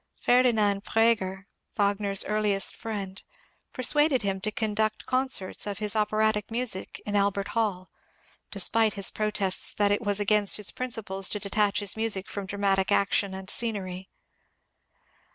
Ferdinand Praeger, Wagner's earliest friend, persuaded him to conduct concerts of his operatic music in Albert Hall, despite his protests that it was against his principles to detach his music from dramatic action and scenery.